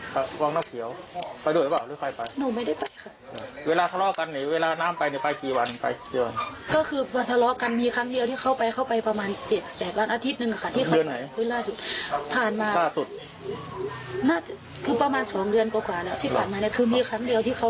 ประมาณ๒เดือนกว่าแล้วที่ผ่านมานักคือมีครั้งเดียวที่เค้าทะเลาะกับหนูแล้วเค้าไปจากบ้าน